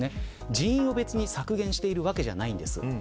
人員を、別に削減しているわけじゃないんです。